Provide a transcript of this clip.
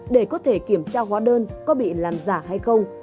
để có thể kiểm tra hóa đơn có bị làm giả hay không